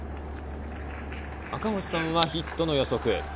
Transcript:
赤星さんはヒットの予測。